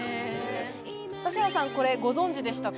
指原さん、これご存知でしたか？